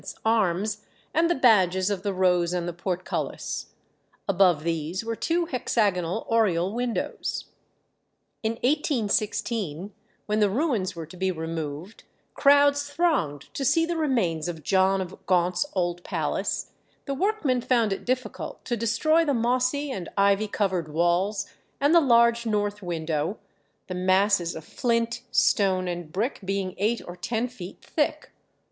's arms and the badges of the rose and the portcullis: above these were two hexagonal oriel windows. In 1816, when the ruins were to be removed, crowds thronged to see the remains of John of Gaunt's old palace. The workmen found it difficult to destroy the mossy and ivy covered walls and the large north window; the masses of flint, stone, and brick being eight or ten feet thick.